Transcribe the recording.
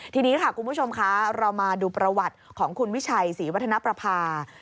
เที่ยวดีค่ะคุณผู้ชมค่ะเรามาดูประวัติของคุณวิชัยสีวัฒนปรัพพา